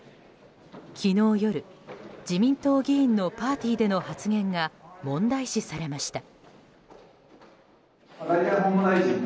昨日夜、自民党議員のパーティでの発言が問題視されました。